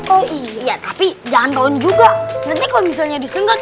oh iya tapi jangan tahun juga nanti kalau misalnya disunggang